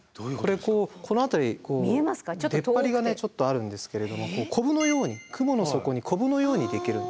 これこうこの辺り出っ張りがちょっとあるんですけれどもコブのように雲の底にコブのようにできるんですね。